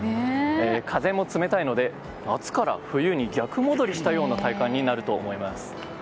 風も冷たいので夏から冬に逆戻りしたような体感になると思います。